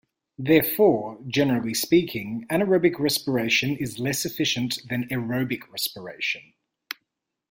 Therefore, generally speaking, anaerobic respiration is less efficient than aerobic respiration.